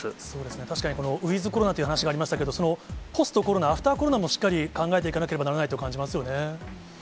そうですね、確かにウィズコロナという話がありましたけれども、ポストコロナ、アフターコロナもしっかり考えていかなければならないと感じます